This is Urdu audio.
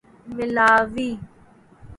ملاوی